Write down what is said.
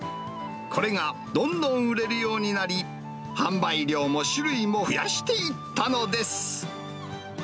これがどんどん売れるようになり、販売量も種類も増やしていったのです。